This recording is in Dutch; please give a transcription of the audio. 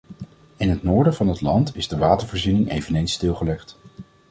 In het noorden van het land is de watervoorziening eveneens stilgelegd.